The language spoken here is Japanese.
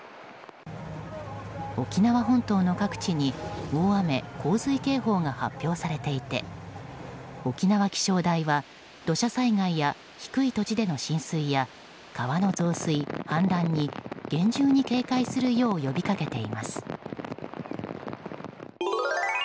沖縄本島の各地に大雨・洪水警報が発表されていて沖縄気象台は土砂災害や低い土地での浸水や川の増水・氾濫に厳重に警戒するよう呼びかけています。